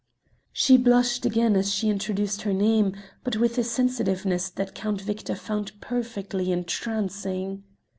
She blushed again as she introduced her name, but with a sensitiveness that Count Victor found perfectly entrancing.